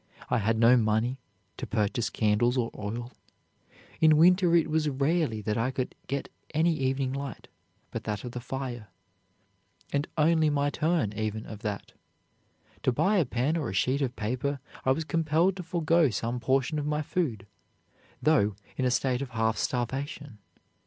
I had no money to purchase candles or oil; in winter it was rarely that I could get any evening light but that of the fire, and only my turn, even, of that. To buy a pen or a sheet of paper I was compelled to forego some portion of my food, though in a state of half starvation.